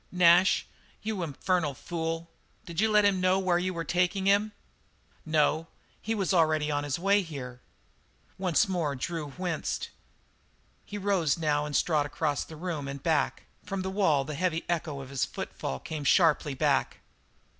"Nash you infernal fool! Did you let him know where you were taking him?" "No. He was already on the way here." Once more Drew winced. He rose now and strode across the room and back; from the wall the heavy echo of his footfall came sharply back.